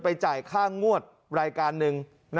ไปจ่ายค่างวตรรายการนึง